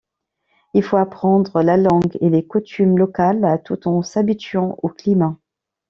Il faut apprendre la langue et les coutumes locales, tout en s'habituant au climat.